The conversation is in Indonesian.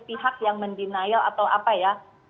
pihak yang mendenial atau apa ya